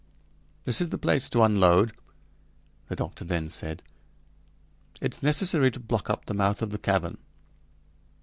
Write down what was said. "This is the place to unload," the doctor then said. "It's necessary to block up the mouth of the cavern."